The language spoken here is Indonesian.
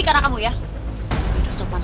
kenapa di gigih yg